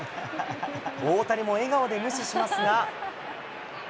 大谷も笑顔で無視しますが。